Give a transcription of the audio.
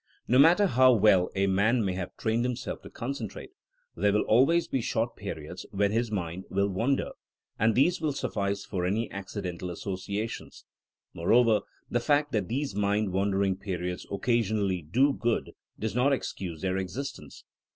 No matter how well a man may have I 96 THmKINO AS A 80IEN0E trained himself to concentrate, there will always be short periods when his mind will wander, and these will suffice for any accidental associa tions. Moreover, the fact that these mind wan dering periods occasionally do good does not excuse their existence.